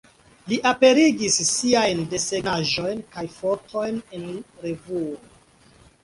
Li aperigis siajn desegnaĵojn kaj fotojn en revuoj.